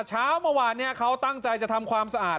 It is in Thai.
เช้าเมื่อวานเขาตั้งใจจะทำความสะอาด